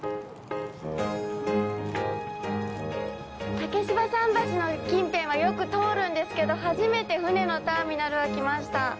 竹芝桟橋の近辺は、よく通んですけど初めて、船のターミナルは来ました。